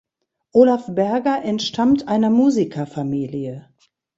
Olaf Berger entstammt einer Musikerfamilie.